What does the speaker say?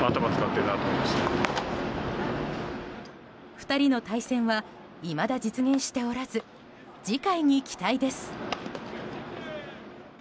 ２人の対戦はいまだ実現しておらず次回に期待です。